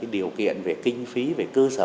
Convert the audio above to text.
điều kiện về kinh phí về cơ sở